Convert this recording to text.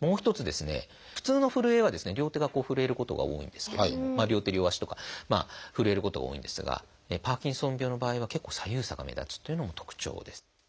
もう一つですね普通のふるえは両手がふるえることが多いんですけれども両手両足とかふるえることが多いんですがパーキンソン病の場合は結構左右差が目立つっていうのも特徴です。